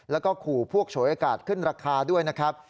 แล้วก็ขู่พวกโฉยอากาศขึ้นราคาด้วยนะครับ